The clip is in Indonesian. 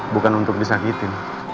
bukan untuk disakitin